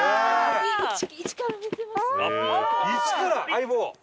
『相棒』。